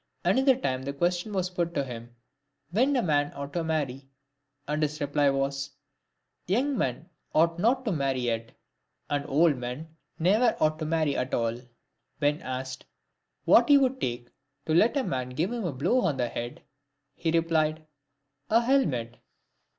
Another time, the question was put to him, when a man ought to marry ? and his reply was, " Young men ought not to marry yet, and old men never ought to marry at all." When asked what he would take to let a man give him a blow on the head?" he replied, "A helmet."